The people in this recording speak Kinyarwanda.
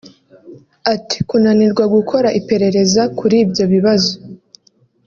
Ati “Kunanirwa gukora iperereza kuri ibyo bibazo